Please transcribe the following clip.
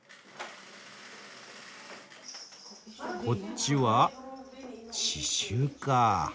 こっちは刺しゅうかあ。